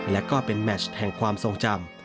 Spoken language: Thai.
และก็เป็นแมชแห่งความทรงจำ